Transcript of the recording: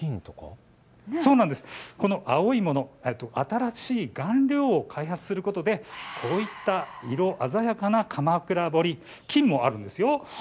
この青いもの、新しい顔料を開発することでこういった色、鮮やかな鎌倉彫金もあるんですよ。